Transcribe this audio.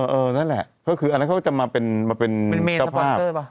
นั่นแหละก็คืออันนั้นเขาก็จะมาเป็นเจ้าภาพ